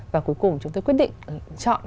và cuối cùng chúng tôi quyết định chọn